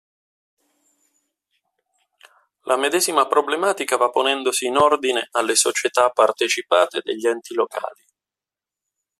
La medesima problematica va ponendosi in ordine alle società partecipate dagli enti locali.